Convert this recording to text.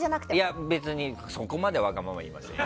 別にそこまでわがままは言いませんよ。